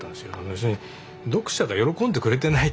要するに読者が喜んでくれてないって。